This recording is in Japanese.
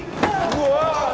うわ。